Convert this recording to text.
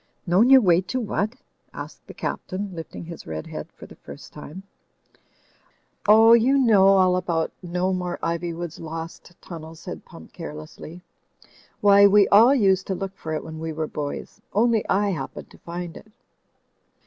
"Known your way to what?" asked the Captain, lifting his red head for the first time. "Oh, you know all about No More Iv3rwood's lost tunnel," said Pump, carelessly. "Why, we all used to look for it when we were boys. Only I happened to find it."